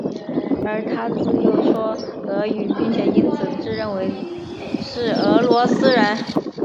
而他自幼说俄语并且因此自认为是俄罗斯人。